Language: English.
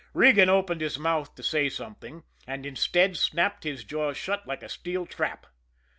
Regan opened his mouth to say something and, instead, snapped his jaws shut like a steel trap.